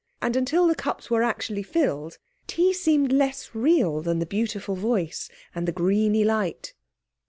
And until the cups were actually filled tea seemed less real than the beautiful voice and the greeny light.